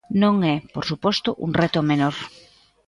Non é, por suposto, un reto menor.